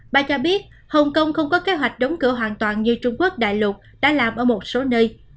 bà cho biết hồng kông không có kế hoạch đóng cửa hoàn toàn như trung quốc đại lục đã làm ở một số nơi